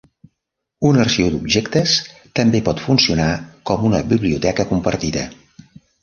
Un arxiu d'objectes també pot funcionar com una biblioteca compartida.